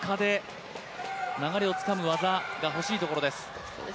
どこかで流れをつかむ技がほしいところです。